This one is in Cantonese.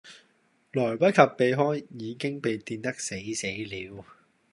來不及避開已經被電得死死了